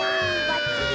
ばっちり。